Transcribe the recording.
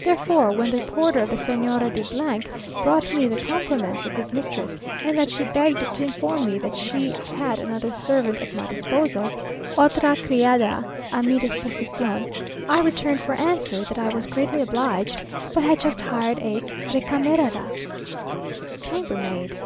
Therefore, when the porter of the Señora de brought me the compliments of his mistress, and that she begged to inform me that she had another servant at my disposal (otra criada á mi disposición), I returned for answer, that I was greatly obliged, but had just hired a recamerera (chambermaid).